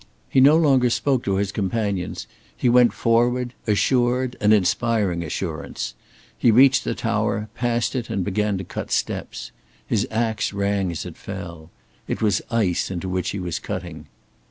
He no longer spoke to his companions, he went forward, assured and inspiring assurance; he reached the tower, passed it and began to cut steps. His ax rang as it fell. It was ice into which he was cutting.